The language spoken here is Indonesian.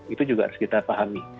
itu juga harus kita pahami